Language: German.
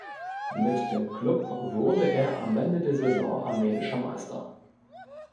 Mit dem Klub wurde er am Ende der Saison armenischer Meister.